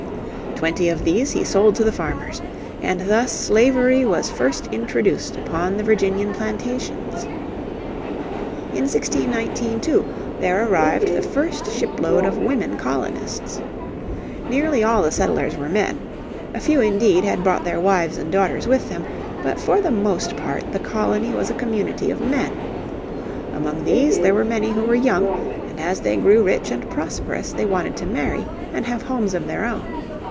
Twenty of these he sold to the farmers. And thus slavery was first introduced upon the Virginian plantations. In 1619, too, there arrived the first ship load of women colonists. Nearly all the settlers were men. A few indeed had brought their wives and daughters with them, but for the most part the colony was a community of men. Among these there were many who were young, and as they grew rich and prosperous they wanted to marry and have homes of their own.